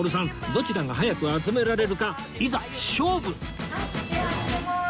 どちらが早く集められるかいざ勝負！では始めます。